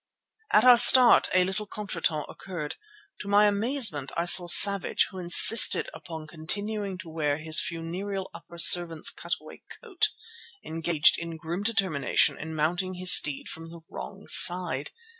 At our start a little contretemps occurred. To my amazement I saw Savage, who insisted upon continuing to wear his funereal upper servant's cut away coat, engaged with grim determination in mounting his steed from the wrong side.